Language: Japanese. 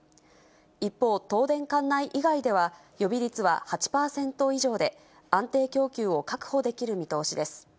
一方、東電管内以外では予備率は８％以上で、安定供給を確保できる見通しです。